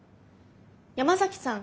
山崎さん